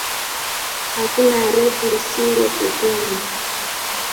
Hakuna refu lisilyo kikomo